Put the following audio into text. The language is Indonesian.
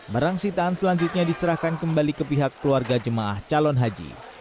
barang sitaan selanjutnya diserahkan kembali ke pihak keluarga jemaah calon haji